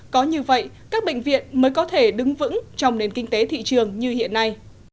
có như vậy các bệnh viện mới có thể đứng vững trong nền kinh tế thị trường như hiện nay